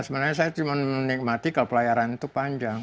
sebenarnya saya cuma menikmati kalau pelayaran itu panjang